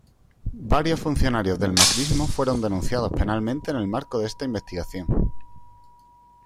Varios funcionarios del macrismo fueron denunciados penalmente en el marco de esta investigación.